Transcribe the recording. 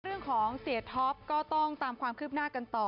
เรื่องของเศรียดท็อปก็ต้องตามความคืบหน้ากันต่อ